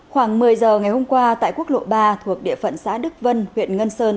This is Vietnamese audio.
khoảng một mươi giờ ngày hôm qua tại quốc lộ ba thuộc địa phận xã đức vân huyện ngân sơn